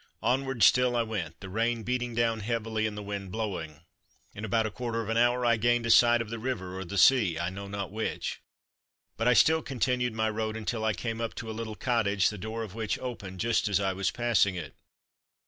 Onward still I went, the rain beating down heavily and the wind blowing. In about a quarter of an hour I gained a sight of the river or the sea, I know not which, but I still continued my road until I came up to a little cottage, the door of which opened just as I was passing it.